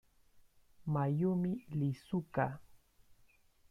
Mayumi Iizuka